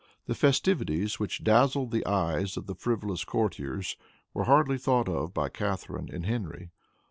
The festivities which dazzled the eyes of the frivolous courtiers were hardly thought of by Catharine and Henry.